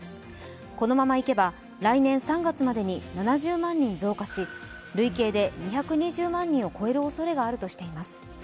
このままいけば来年３月までに７０万人増加し、累計で２２０万人を超えるおそれがあるとしています。